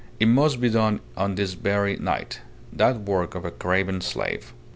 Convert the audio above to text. It must be done on this very night that work of a craven slave!